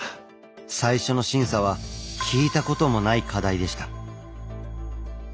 最初の審査は聞いたこともない課題でした。